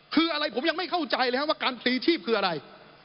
คืออะไรผมยังไม่เข้าใจเลยครับว่าการพลีชีพคืออะไร